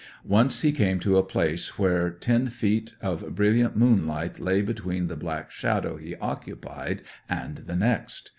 Once he came to a place where ten feet of brilliant moonlight lay between the black shadow he occupied and the next.